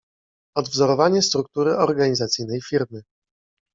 Odwzorowanie struktury organizacyjnej Firmy